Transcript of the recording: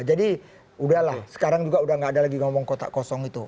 udahlah sekarang juga udah gak ada lagi ngomong kotak kosong itu